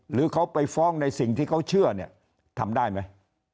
หรือเขาไปฟ้องในสิ่งที่เขาเชื่อเนี่ยทำได้ไหม